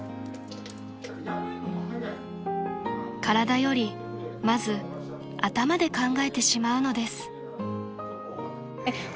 ［体よりまず頭で考えてしまうのです］